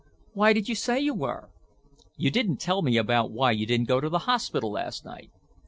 "Why did you say you were?" "You didn't tell me about why you didn't go to the hospital last night."